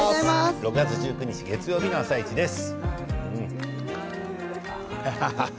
６月１９日月曜日の「あさイチ」です。